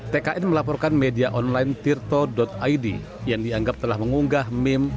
tkn melaporkan media online tirto id yang dianggap telah mengunggah meme